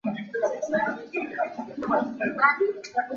Sum ah facang kan suk.